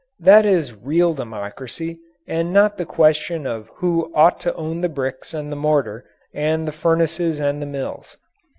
That is real democracy and not the question of who ought to own the bricks and the mortar and the furnaces and the mills.